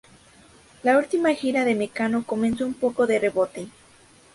La última gira de Mecano comenzó un poco de rebote.